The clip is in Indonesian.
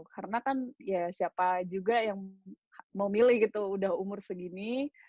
karena kan ya siapa juga yang mau milih gitu udah umur segini